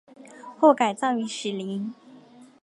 后改葬于禧陵。